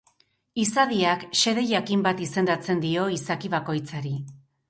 Izadiak xede jakin bat izendatzen dio izaki bakoitzari.